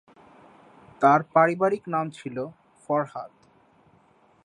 তার পারিবারিক নাম ছিল ফরহাদ।